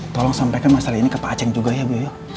tolong sampaikan masalah ini ke pak aceh juga ya bu ya